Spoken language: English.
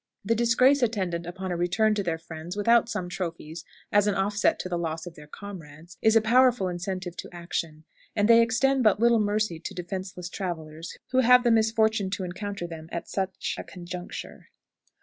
The disgrace attendant upon a return to their friends without some trophies as an offset to the loss of their comrades is a powerful incentive to action, and they extend but little mercy to defenseless travelers who have the misfortune to encounter them at such a conjuncture.